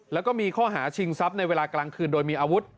แล้วก็มีข้อหาชิงทรัพย์ในเวลากลางคืนโดยมีอาวุธ